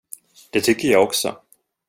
Det tycker jag också.